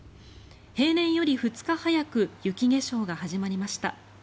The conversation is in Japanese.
平年より２日早く雪化粧が始まりました。